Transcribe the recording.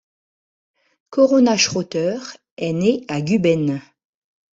Corona Schröter est née à Guben.